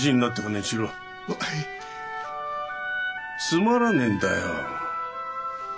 つまらねえんだよ